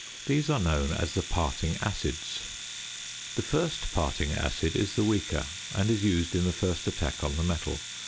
These are known as the parting acids. The first parting acid is the weaker and is used in the first attack on the metal.